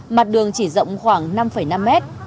mặt đường chỉ rộng khoảng năm năm mét